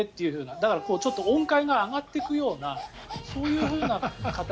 だから音階が上がっていくようなそういうふうな形で。